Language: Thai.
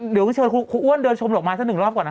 เดี๋ยวเชิญครูอ้วนเดินชมดอกไม้สักหนึ่งรอบก่อนนะ